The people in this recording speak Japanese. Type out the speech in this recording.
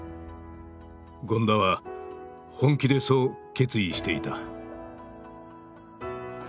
権田は本気でそう決意していた。